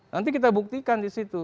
nanti kita buktikan di situ